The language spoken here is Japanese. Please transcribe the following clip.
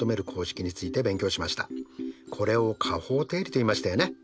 これを加法定理といいましたよね。